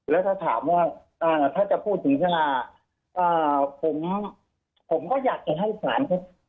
แล้วถ้าถามว่าถ้าจะพูดถึงข้างหน้าผมก็อยากจะให้สาร